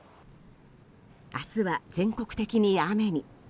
明日は全国的に雨に。